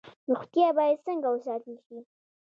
روغتیا باید څنګه وساتل شي؟